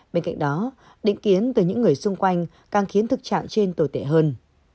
bên cạnh đó định kiến từ những người xung quanh càng khiến thực trạng trên tổ chức